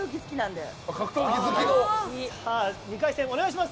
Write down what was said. ２回戦お願いします。